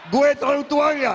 gue terlalu tua nggak